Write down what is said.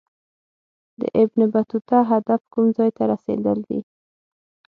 د ابن بطوطه هدف کوم ځای ته رسېدل دي.